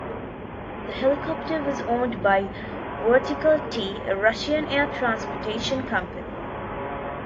The helicopter was owned by Vertikal-T, a Russian air transportation company.